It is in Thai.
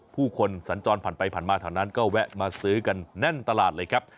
ผู้คนสัญจรผ่านไปผ่านมาแถวนั้นก็แวะมาซื้อกันแน่นตลาดเลยครับ